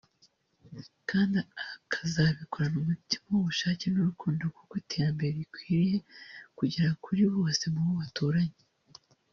kandi akazabikorana umutima w’ubushake n’urukundo kuko iterambere rikwiriye kugera kuri bose mu bo baturanye